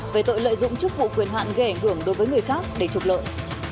về tội lợi dụng chức vụ quyền hạn ghẻ hưởng đối với người khác để trục lợi